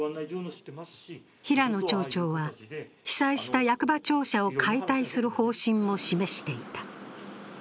平野町長は、被災した役場庁舎を解体する方針も示していた。